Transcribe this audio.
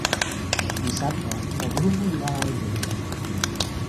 Dissabte na Bruna irà al metge.